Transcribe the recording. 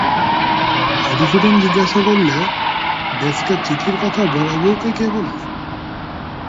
মধুসূদন জিজ্ঞাসা করলে, ডেস্কের চিঠির কথা বড়োবউকে কে বললে?